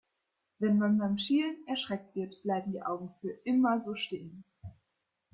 Wenn man beim Schielen erschreckt wird, bleiben die Augen für immer so stehen.